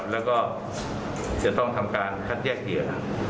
แล้วก็จะต้องทำการคัดแยกเหยื่อ